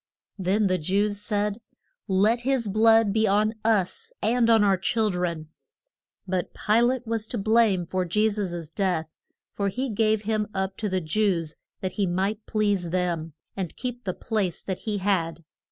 Then the Jews said, Let his blood be on us and on our chil dren. But Pi late was to blame for Je sus' death; for he gave him up to the Jews that he might please them, and keep the place that he had.